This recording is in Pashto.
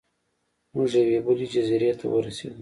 موږ یوې بلې جزیرې ته ورسیدو.